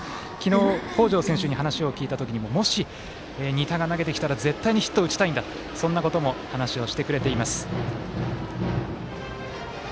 昨日、北條選手に話を聞いたときにも、もし仁田が投げてきたときには絶対にヒットを打ちたいんだとそんなことも話をしてくれています。